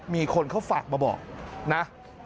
มีคนเขาฝากมาบอกนะ